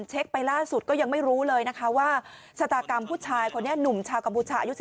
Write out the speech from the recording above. แชกไปล่าสุดก็ยังไม่รู้เลยนะคะว่าชตากรรมผู้ชายคนนิ่วชาวกัมภูชา